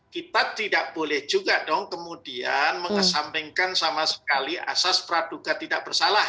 kita tidak boleh juga dong kemudian mengesampingkan sama sekali asas praduga tidak bersalah